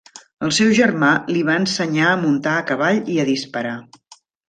El seu germà li va ensenyar a muntar a cavall i a disparar.